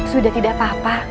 sudah tidak apa apa